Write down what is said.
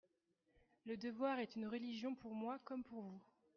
Le devoir est une religion pour moi comme pour vous.